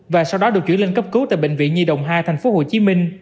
và sau đó được chuyển lên cấp cứu tại bệnh viện nhi đồng hai tp hcm